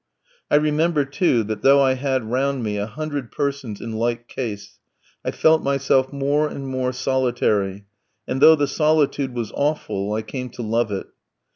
I remember, too, that though I had round me a hundred persons in like case, I felt myself more and more solitary, and though the solitude was awful I came to love it.